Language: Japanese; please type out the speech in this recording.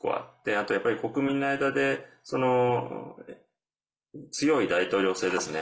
あと、やっぱり国民の間で強い大統領制ですね